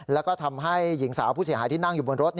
แล้วก็ทำให้หญิงสาวผู้เสียหายที่นั่งอยู่บนรถ